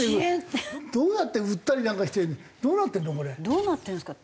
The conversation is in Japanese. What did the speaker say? どうなってるんですか。